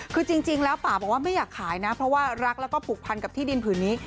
คือจริงแล้วป่าบอกว่าไม่อยากขายนะเพราะว่ารักแล้วก็ผูกพันกับที่ดินผืนนี้